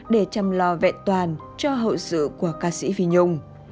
để chăm lo vẹn toàn cho hậu sự của ca sĩ vi nhung